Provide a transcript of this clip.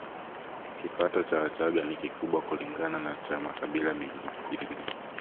Kipato cha Wachagga ni kikubwa kulingana na cha makabila mengine